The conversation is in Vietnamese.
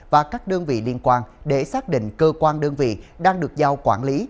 và các đơn vị liên quan để xác định cơ quan đơn vị đang được giao quản lý